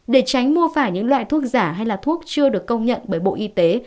để tránh mua phải những loại thuốc giả hay thuốc chưa được công nhận bởi bộ y tế